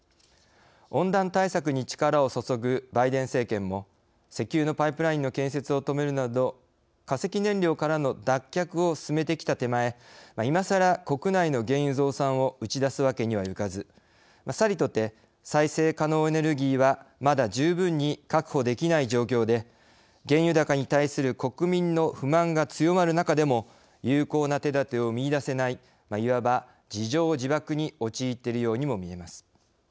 温暖対策に力を注ぐ、バイデン政権も石油のパイプラインの建設を止めるなど化石燃料からの脱却を進めてきた手前いまさら国内の原油増産を打ち出すわけにはゆかずさりとて、再生可能エネルギーはまだ十分に確保できない状況で原油高に対する国民の不満が強まる中でも有効な手だてを見いだせないいわば自縄自縛に陥っているようにもみえます。